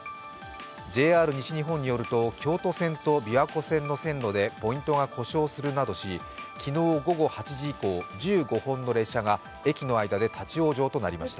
ＪＲ西日本によると、京都線と琵琶湖線の線路で、ポイントが故障するなどし、昨日午後８時以降、１５本の列車が駅の間で立往生となりました。